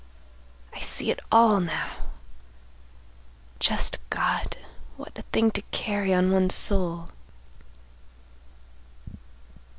I see it all now! Just God, what a thing to carry on one's soul!"